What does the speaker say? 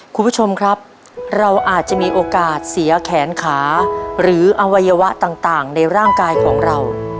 คุณผู้ชมครับเราอาจจะมีโอกาสเสียแขนขาหรืออวัยวะต่างในร่างกายของเรา